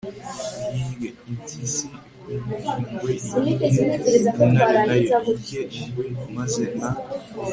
uyirye, impyisi ikurye, ingwe iyirye, intare na yo irye ingwe, maze na